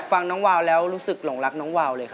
ฟังน้องวาวแล้วรู้สึกหลงรักน้องวาวเลยค่ะ